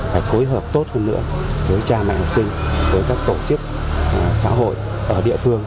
phải phối hợp tốt hơn nữa với cha mẹ học sinh với các tổ chức xã hội ở địa phương